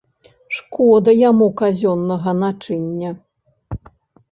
Шкода яму казённага начыння.